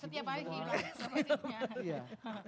setiap hari hilang